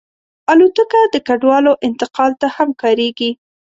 الوتکه د کډوالو انتقال ته هم کارېږي.